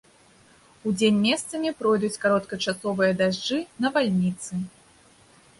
Удзень месцамі пройдуць кароткачасовыя дажджы, навальніцы.